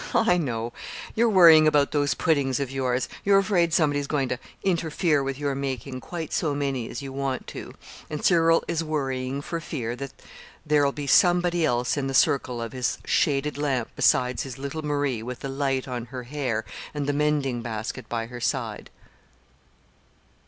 "I know; you're worrying about those puddings of yours. You're afraid somebody is going to interfere with your making quite so many as you want to; and Cyril is worrying for fear there'll be somebody else in the circle of his shaded lamp besides his little Marie with the light on her hair, and the mending basket by her side."